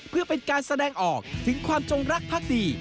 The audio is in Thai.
เพื่อเป็นการแสดงออกถึงความจงรักภักดี